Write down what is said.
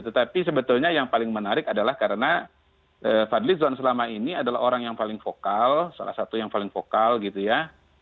tetapi sebetulnya yang paling menarik adalah karena fadlizon selama ini adalah orang yang paling vokal salah satu yang paling vokal gitu ya